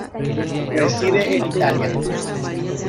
Reside en Italia.